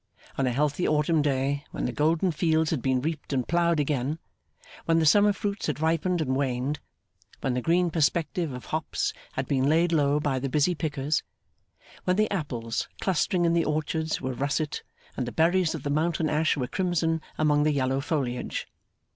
On a healthy autumn day; when the golden fields had been reaped and ploughed again, when the summer fruits had ripened and waned, when the green perspectives of hops had been laid low by the busy pickers, when the apples clustering in the orchards were russet, and the berries of the mountain ash were crimson among the yellowing foliage.